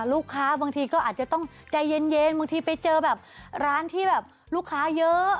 ลูกค้าบางทีก็อาจจะต้องใจเย็นบางทีไปเจอแบบร้านที่แบบลูกค้าเยอะ